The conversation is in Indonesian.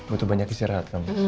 butuh banyak istirahat kamu